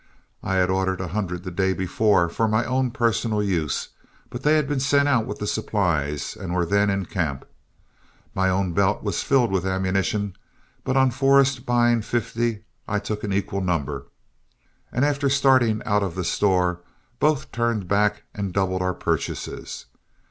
I had ordered a hundred the day before for my own personal use, but they had been sent out with the supplies and were then in camp. My own belt was filled with ammunition, but on Forrest buying fifty, I took an equal number, and after starting out of the store, both turned back and doubled our purchases.